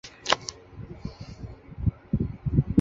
紫萝兰芋螺为芋螺科芋螺属下的一个种。